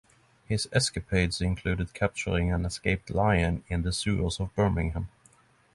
His escapades included capturing an escaped lion in the sewers of Birmingham.